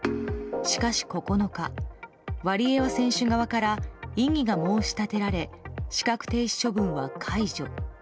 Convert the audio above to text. しかし、９日ワリエワ選手側から異議が申し立てられ資格停止処分は解除。